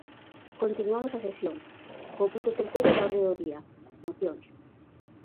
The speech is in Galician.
Continuamos a sesión, co punto terceiro da orde do día, mocións.